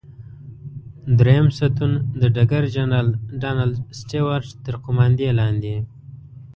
دریم ستون د ډګر جنرال ډانلډ سټیوارټ تر قوماندې لاندې.